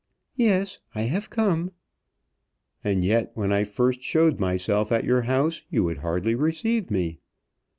"Yes; I have come." "And yet, when I first showed myself at your house, you would hardly receive me."